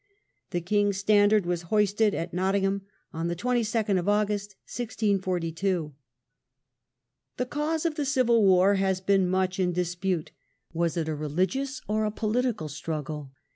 The king's standard was hoisted at Nottingham on the 2 2d of August, 1642. The cause of the Civil War has been much in dispute. Was it a religious or a political struggle?